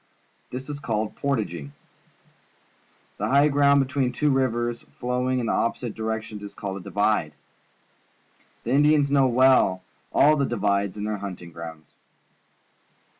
This is called portaging. The high ground between two rivers flowing in opposite directions is called a divide. The Indians know well all the divides in their hunting grounds.